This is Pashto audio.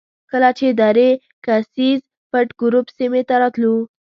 کله چې درې کسیز پټ ګروپ سیمې ته راتلو.